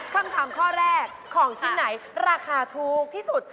คำถามข้อแรกของชิ้นไหนราคาถูกที่สุด